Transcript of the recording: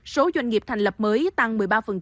số doanh nghiệp thành lập mới tăng một mươi ba